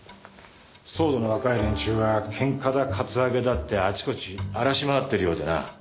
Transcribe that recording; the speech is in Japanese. ＳＷＯＲＤの若い連中はケンカだカツアゲだってあちこち荒らしまわってるようでな